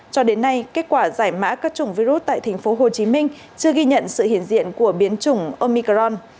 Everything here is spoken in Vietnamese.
cho đến nay kết quả giải mã các chủng virus tại tp hcm chưa ghi nhận sự hiện diện của biến chủng omicron